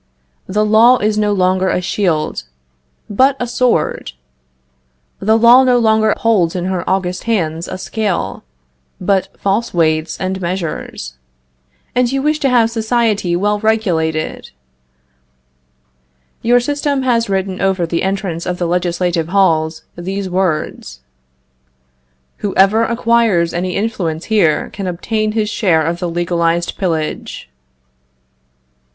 The law is no longer a shield, but a sword! The law no longer holds in her august hands a scale, but false weights and measures! And you wish to have society well regulated! Your system has written over the entrance of the legislative halls these words: "Whoever acquires any influence here can obtain his share of the legalized pillage."